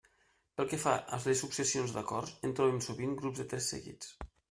Pel que fa a les successions d'acords, en trobem sovint grups de tres seguits.